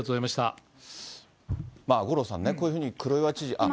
五郎さんね、こういうふうに黒岩知事。